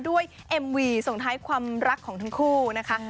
เอ็มวีส่งท้ายความรักของทั้งคู่นะคะ